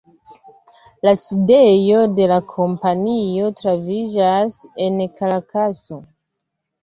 La sidejo de la kompanio troviĝas en Karakaso.